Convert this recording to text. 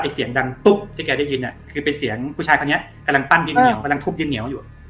แกเสียงดังตุ๊บที่แกได้ยินคือพี่ชายเกียงทันเนี้ย